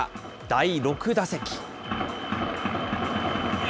第６打席。